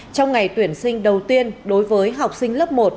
trong ngày tuyển sinh đầu tiên đối với học sinh lớp một